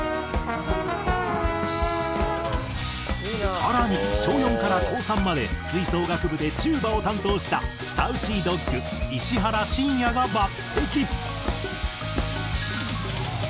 更に小４から高３まで吹奏楽部でチューバを担当したＳａｕｃｙＤｏｇ石原慎也が抜擢。